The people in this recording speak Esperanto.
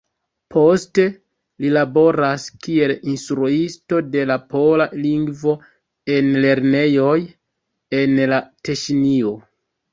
Poste li laboras kiel instruisto de la pola lingvo en lernejoj en la Teŝinio.